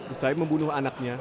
usai membunuh anaknya